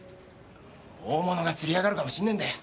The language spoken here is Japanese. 大物が釣り上がるかもしれねえんだよ。